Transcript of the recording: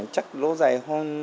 chắc lâu dài hơn